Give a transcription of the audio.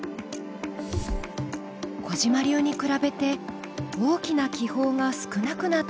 小嶋流に比べて大きな気泡が少なくなっています。